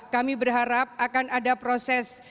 kami berharap akan ada proses